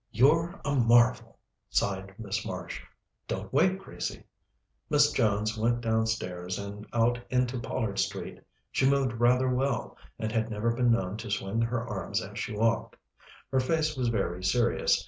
"You're a marvel!" sighed Miss Marsh. "Don't wait, Gracie." Miss Jones went downstairs and out into Pollard Street. She moved rather well, and had never been known to swing her arms as she walked. Her face was very serious.